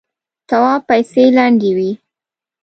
تواب پايڅې لندې وې.